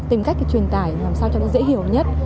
tìm cách để truyền tải làm sao cho nó dễ hiểu nhất